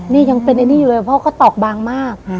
นี่ยังเป็นไอ้นี่อยู่เลยเพราะเขาตอกบางมาก